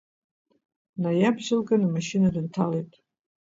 Наиабжьалган, амашьына дынҭалеит.